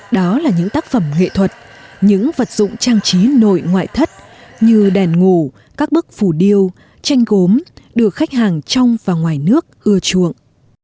đó là những tác phẩm nghệ thuật những vật dụng trang trí nội ngoại thất như đèn ngủ các bức phù điêu tranh gốm được khách hàng trong và ngoài nước ưa chuộng